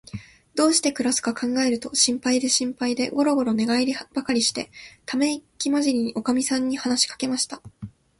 どうしてくらすかかんがえると、心配で心配で、ごろごろ寝がえりばかりして、ためいきまじりに、おかみさんに話しかけました。